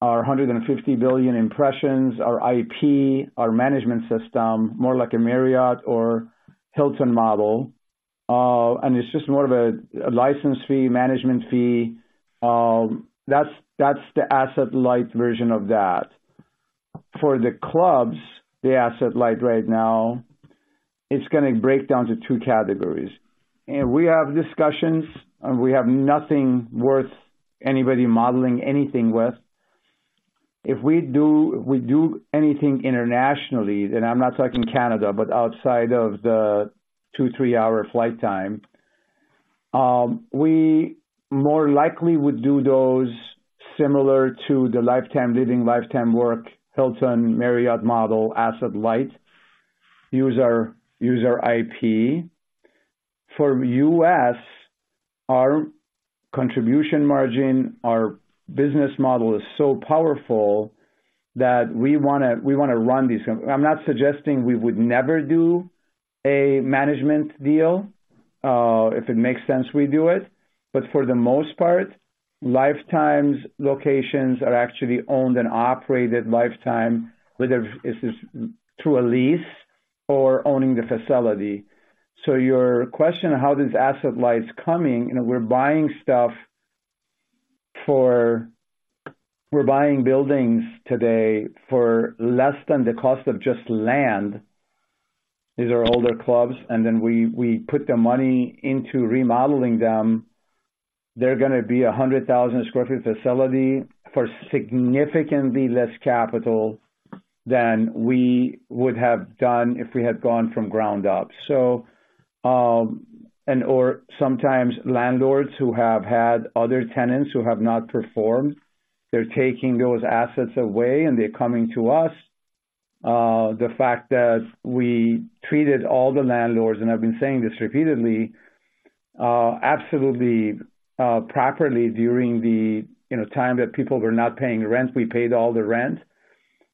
brand, our 150 billion impressions, our IP, our management system, more like a Marriott or Hilton model, and it's just more of a license fee, management fee. That's the asset-light version of that. For the clubs, the asset-light right now, it's gonna break down to two categories. We have discussions, and we have nothing worth anybody modeling anything with. If we do anything internationally, and I'm not talking Canada, but outside of the 2 hour-3 hour flight time, we more likely would do those similar to the Life Time Living, Life Time Work, Hilton, Marriott model, asset-light, use our IP. For U.S., our contribution margin, our business model is so powerful that we wanna run these companies. I'm not suggesting we would never do a management deal. If it makes sense, we do it. But for the most part, Life Time's locations are actually owned and operated Life Time, whether this is through a lease or owning the facility. So your question, how this asset-light is coming, you know, we're buying buildings today for less than the cost of just land. These are older clubs, and then we put the money into remodeling them. They're gonna be a 100,000 sq ft facility for significantly less capital than we would have done if we had gone from ground up. So, and or sometimes landlords who have had other tenants who have not performed, they're taking those assets away, and they're coming to us. The fact that we treated all the landlords, and I've been saying this repeatedly, absolutely, properly during the, you know, time that people were not paying rent, we paid all the rent.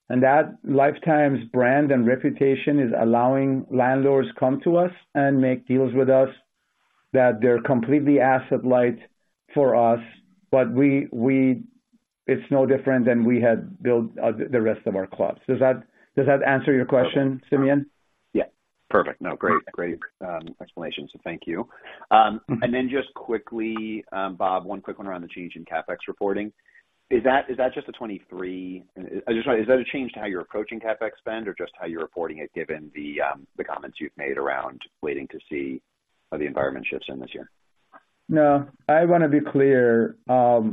And that Life Time's brand and reputation is allowing landlords come to us and make deals with us, that they're completely asset light for us, but we, we—it's no different than we had built, the rest of our clubs. Does that, does that answer your question, Simeon? Yeah. Perfect. No, great, great, explanation. So thank you. And then just quickly, Bob, one quick one around the change in CapEx reporting. Is that, is that just a 2023? I'm sorry, is that a change to how you're approaching CapEx spend or just how you're reporting it, given the comments you've made around waiting to see how the environment shifts in this year? No, I wanna be clear. I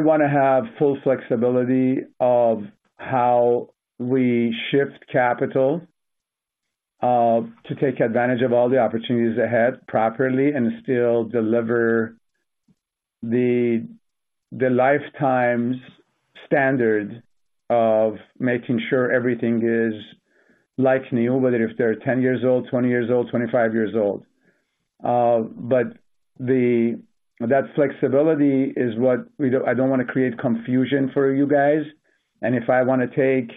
wanna have full flexibility of how we shift capital to take advantage of all the opportunities ahead properly and still deliver the Life Time's standard of making sure everything is like new, whether if they're 10 years old, 20 years old, 25 years old. But that flexibility is what we don't... I don't wanna create confusion for you guys. And if I wanna take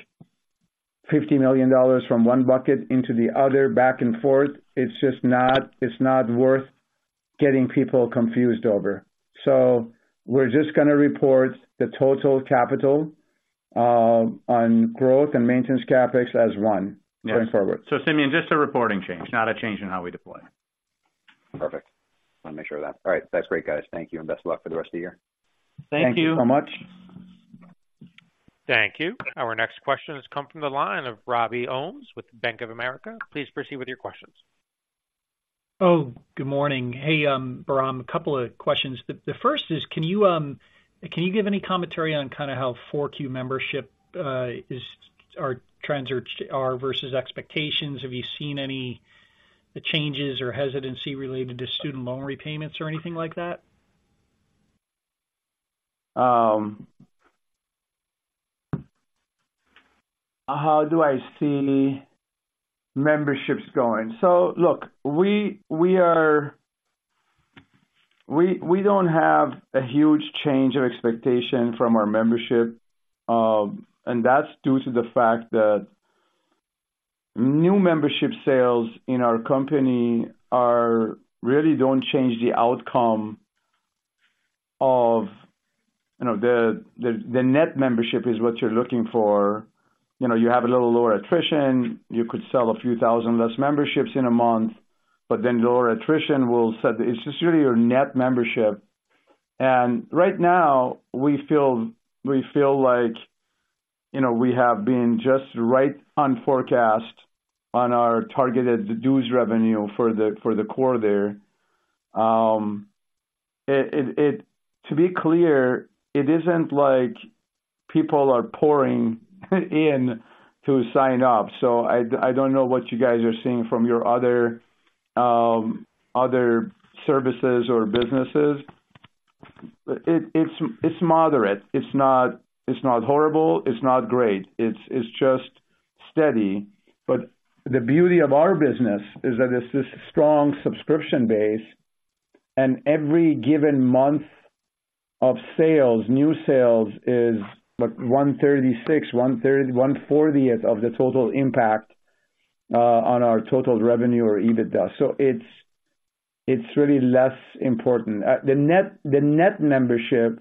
$50 million from one bucket into the other, back and forth, it's just not, it's not worth getting people confused over. So we're just gonna report the total capital on growth and maintenance CapEx as one going forward. So Simeon, just a reporting change, not a change in how we deploy. Perfect. Wanna make sure of that. All right. That's great, guys. Thank you, and best of luck for the rest of the year. Thank you. Thank you so much. Thank you. Our next question has come from the line of Robbie Holmes with Bank of America. Please proceed with your questions. Oh, good morning. Hey, Bahram, a couple of questions. The first is, can you give any commentary on kinda how 4Q membership trends are versus expectations? Have you seen any changes or hesitancy related to student loan repayments or anything like that? How do I see memberships going? So look, we don't have a huge change of expectation from our membership, and that's due to the fact that new membership sales in our company really don't change the outcome of, you know, the net membership is what you're looking for. You know, you have a little lower attrition, you could sell a few thousand less memberships in a month, but then lower attrition will set - it's just really your net membership. And right now, we feel like, you know, we have been just right on forecast on our targeted dues revenue for the quarter. To be clear, it isn't like people are pouring in to sign up, so I don't know what you guys are seeing from your other, other services or businesses. It's moderate. It's not horrible, it's not great, it's just steady. But the beauty of our business is that it's this strong subscription base, and every given month of sales, new sales, is what? 1/36, 1/3, 1/40 of the total impact on our total revenue or EBITDA. So it's really less important. The net membership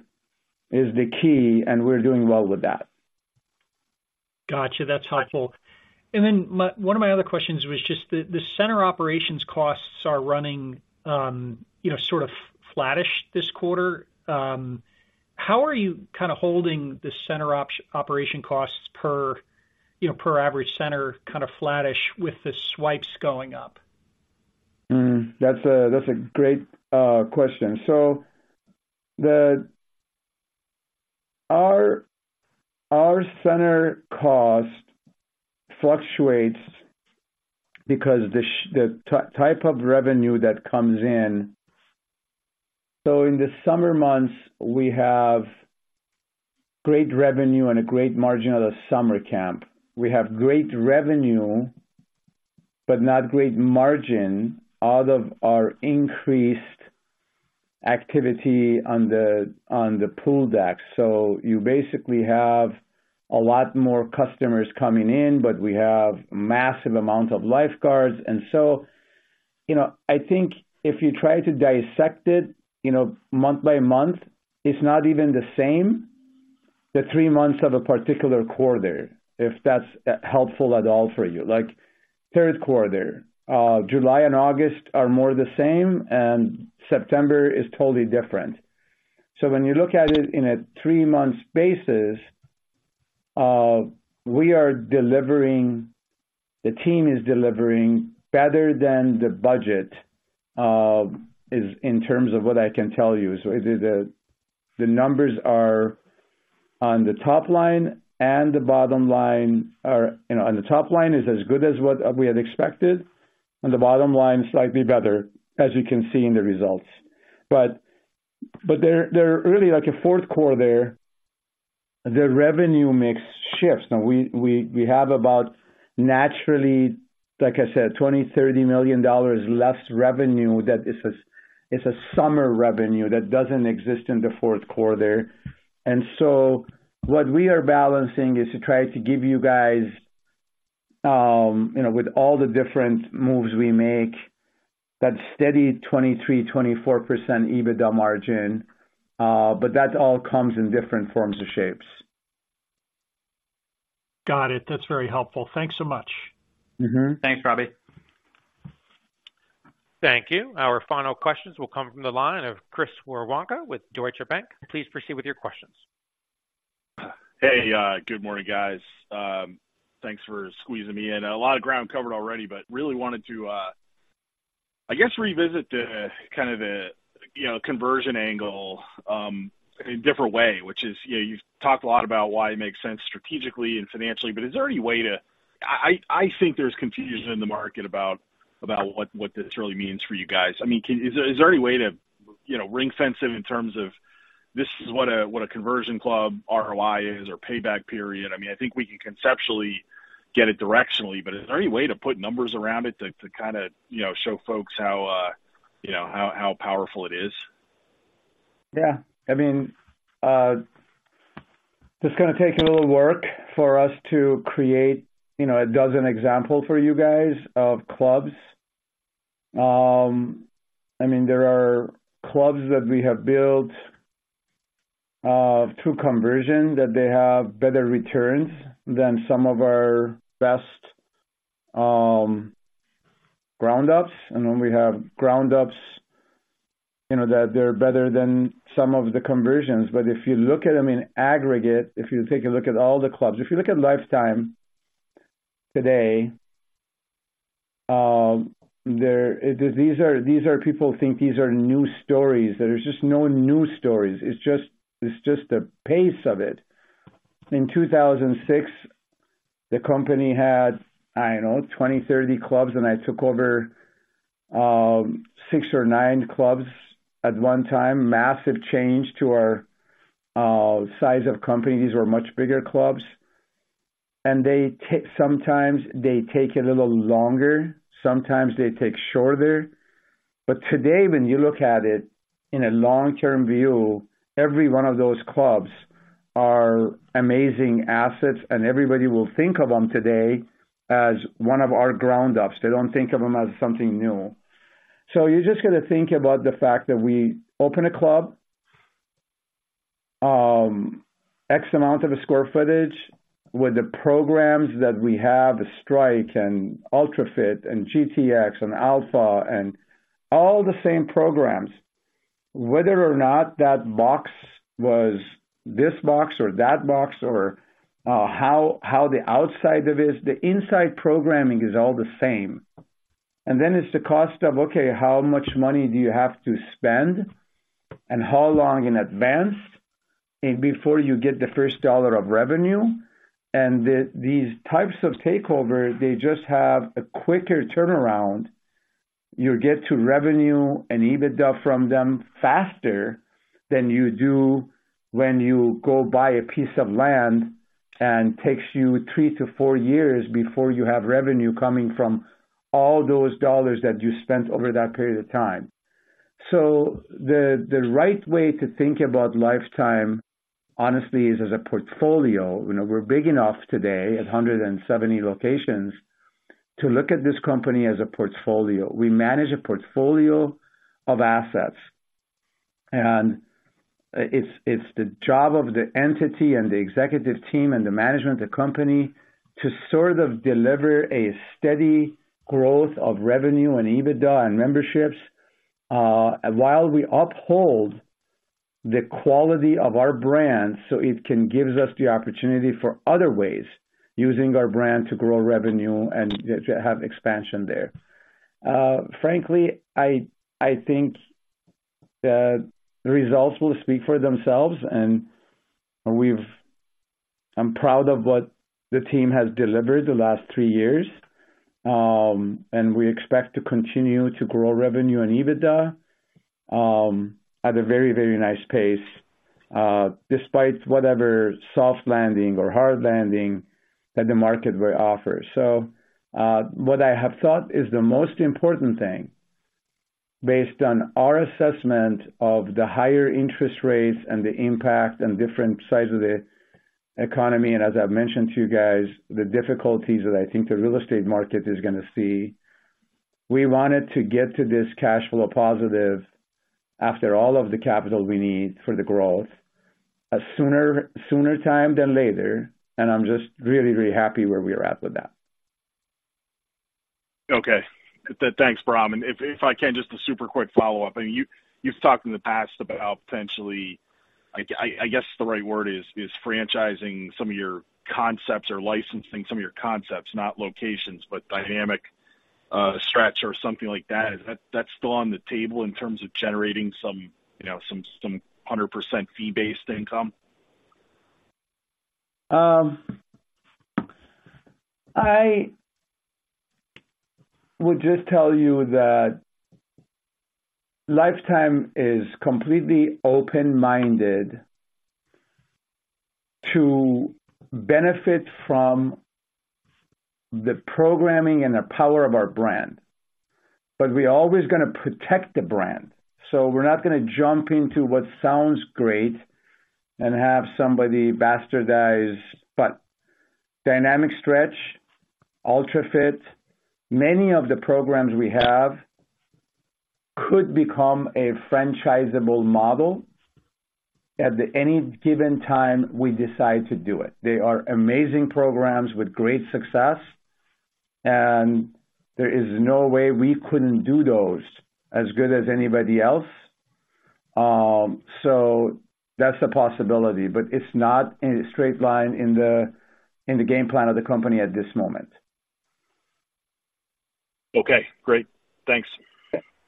is the key, and we're doing well with that. Gotcha, that's helpful. And then my one of my other questions was just the center operations costs are running, you know, sort of flattish this quarter. How are you kind of holding the center operation costs per, you know, per average center, kind of flattish with the swipes going up? Hmm. That's a, that's a great question. So our center cost fluctuates because the type of revenue that comes in. So in the summer months, we have great revenue and a great margin of summer camp. We have great revenue, but not great margin out of our increased activity on the pool deck. So you basically have a lot more customers coming in, but we have massive amount of lifeguards. And so, you know, I think if you try to dissect it, you know, month-by-month, it's not even the same, the three months of a particular quarter, if that's helpful at all for you. Like, third quarter, July and August are more the same, and September is totally different. So when you look at it in a three-month basis-... We are delivering, the team is delivering better than the budget is in terms of what I can tell you. So the numbers are on the top line and the bottom line are, you know, on the top line is as good as what we had expected, and the bottom line, slightly better, as you can see in the results. But there are really like a fourth quarter. The revenue mix shifts. Now we have about naturally, like I said, $20 million-$30 million less revenue. That is, it's a summer revenue that doesn't exist in the fourth quarter. And so what we are balancing is to try to give you guys, you know, with all the different moves we make, that steady 23%-24% EBITDA margin, but that all comes in different forms and shapes. Got it. That's very helpful. Thanks so much. Mm-hmm. Thanks, Robbie. Thank you. Our final questions will come from the line of Chris Worwanka with Deutsche Bank. Please proceed with your questions. Hey, good morning, guys. Thanks for squeezing me in. A lot of ground covered already, but really wanted to, I guess, revisit the kind of, you know, conversion angle in a different way, which is, you know, you've talked a lot about why it makes sense strategically and financially, but is there any way to... I think there's confusion in the market about what this really means for you guys. I mean, is there any way to, you know, ring-fence it in terms of this is what a conversion club ROI is or payback period? I mean, I think we can conceptually get it directionally, but is there any way to put numbers around it to kind of, you know, show folks how, you know, how powerful it is? Yeah. I mean, it's gonna take a little work for us to create, you know, 12 examples for you guys of clubs. I mean, there are clubs that we have built through conversion, that they have better returns than some of our best ground ups. And then we have ground ups, you know, that they're better than some of the conversions. But if you look at them in aggregate, if you take a look at all the clubs, if you look at Life Time today, these are, these are people think these are new stories. There's just no new stories. It's just, it's just the pace of it. In 2006, the company had, I don't know, 20 clubs, 30 clubs, and I took over 6 clubs or 9 clubs at one time. Massive change to our size of company. These were much bigger clubs, and they take, sometimes they take a little longer, sometimes they take shorter. But today, when you look at it in a long-term view, every one of those clubs are amazing assets, and everybody will think of them today as one of our ground ups. They don't think of them as something new. So you just got to think about the fact that we open a club, X amount of square footage with the programs that we have, STRIKE and ULTRA Fit and GTX and Alpha and all the same programs. Whether or not that box was this box or that box or, how the outside of it is, the inside programming is all the same. And then it's the cost of, okay, how much money do you have to spend and how long in advance, and before you get the first $1 of revenue? And these types of takeovers, they just have a quicker turnaround. You get to revenue and EBITDA from them faster than you do when you go buy a piece of land and takes you 3 years-4 years before you have revenue coming from all those dollars that you spent over that period of time. So the right way to think about Life Time, honestly, is as a portfolio. You know, we're big enough today, at 170 locations, to look at this company as a portfolio. We manage a portfolio of assets, and it's the job of the entity and the executive team and the management of the company to sort of deliver a steady growth of revenue and EBITDA and memberships, while we uphold the quality of our brand, so it can gives us the opportunity for other ways, using our brand to grow revenue and to have expansion there. Frankly, I think the results will speak for themselves, and I'm proud of what the team has delivered the last three years. And we expect to continue to grow revenue and EBITDA at a very, very nice pace, despite whatever soft landing or hard landing that the market will offer. So, what I have thought is the most important thing, based on our assessment of the higher interest rates and the impact and different sides of the economy, and as I've mentioned to you guys, the difficulties that I think the real estate market is gonna see, we wanted to get to this cash flow positive after all of the capital we need for the growth, a sooner, sooner time than later, and I'm just really, really happy where we are at with that.... Okay. Thanks, Bahram. And if I can, just a super quick follow-up. I mean, you've talked in the past about potentially, I guess the right word is, franchising some of your concepts or licensing some of your concepts, not locations, but Dynamic Stretch or something like that. Is that still on the table in terms of generating some, you know, some 100% fee-based income? I would just tell you that Life Time is completely open-minded to benefit from the programming and the power of our brand, but we're always gonna protect the brand. So we're not gonna jump into what sounds great and have somebody bastardize. But Dynamic Stretch, ULTRA Fit, many of the programs we have could become a franchisable model at any given time we decide to do it. They are amazing programs with great success, and there is no way we couldn't do those as good as anybody else. So that's a possibility, but it's not in a straight line in the game plan of the company at this moment. Okay, great. Thanks.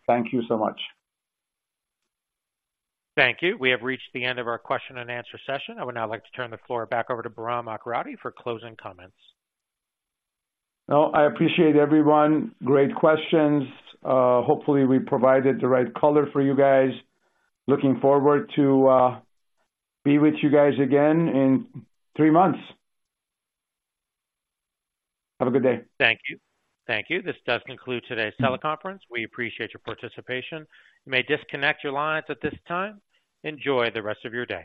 Thank you so much. Thank you. We have reached the end of our question and answer session. I would now like to turn the floor back over to Bahram Akradi for closing comments. Well, I appreciate everyone. Great questions. Hopefully, we provided the right color for you guys. Looking forward to be with you guys again in three months. Have a good day. Thank you. Thank you. This does conclude today's teleconference. We appreciate your participation. You may disconnect your lines at this time. Enjoy the rest of your day.